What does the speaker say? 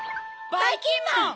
ばいきんまん！